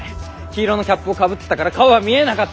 黄色のキャップをかぶってたから顔は見えなかった。